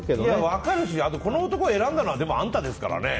分かるし、この男を選んだのはあんたですからね。